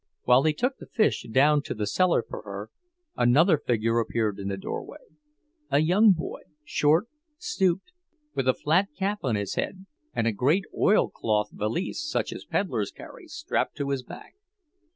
While he took the fish down to the cellar for her, another figure appeared in the doorway; a young boy, short, stooped, with a flat cap on his head and a great oilcloth valise, such as pedlars carry, strapped to his back.